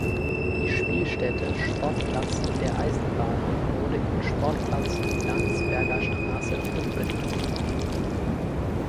Die Spielstätte "Sportplatz der Eisenbahner" wurde in "Sportplatz Landsberger Straße" umbenannt.